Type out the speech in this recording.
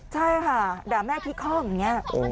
ใช่ค่ะดรามแม่ที่คล่องอย่างนี้นะคะ